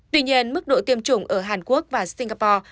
tuy nhiên mức độ tiêm chủng ở hàn quốc và singapore